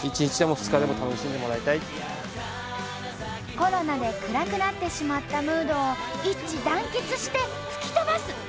コロナで暗くなってしまったムードを一致団結して吹き飛ばす！